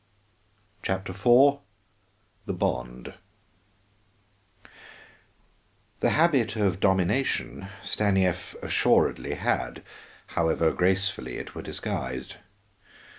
CHAPTER IV THE BOND The habit of domination Stanief assuredly had, however gracefully it were disguised.